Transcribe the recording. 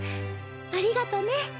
ありがとね。